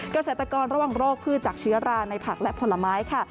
เกษตรกรระวังโรคพืชจากเชื้อราในผักและผลไม้ค่ะ